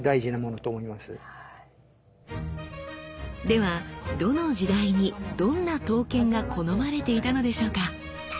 ではどの時代にどんな刀剣が好まれていたのでしょうか？